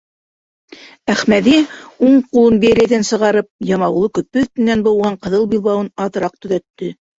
Әхмәҙи, уң ҡулын бейәләйҙән сығарып, ямаулы көпө өҫтөнән быуған ҡыҙыл билбауын аҙыраҡ төҙәтте.